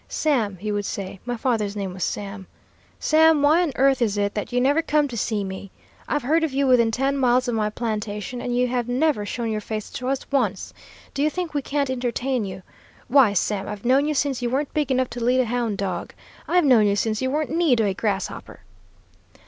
'Sam,' he would say, my father's name was Sam, 'Sam, why on earth is it that you never come to see me? I've heard of you within ten miles of my plantation, and you have never shown your face to us once. Do you think we can't entertain you? Why, Sam, I've known you since you weren't big enough to lead a hound dog. I've known you since you weren't knee to a grasshopper.'